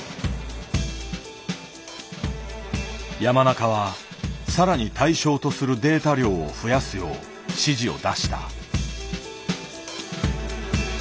山中は更に対象とするデータ量を増やすよう指示を出した。